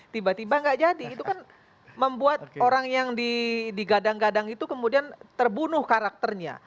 tiba tiba nggak jadi itu kan membuat orang yang digadang gadang itu kemudian terbunuh karakternya